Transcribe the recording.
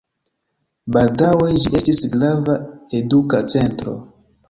Baldaŭe ĝi estis grava eduka centro.